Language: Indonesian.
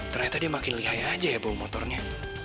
ternyata dia makin lihai aja ya bawang motornya